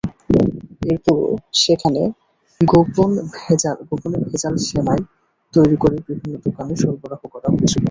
এরপরও সেখানে গোপনে ভেজাল সেমাই তৈরি করে বিভিন্ন দোকানে সরবরাহ করা হচ্ছিল।